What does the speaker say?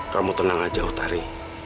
kamu tenang aja utari